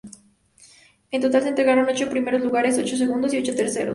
En total, se entregaron ocho primeros lugares, ocho segundos y ocho terceros.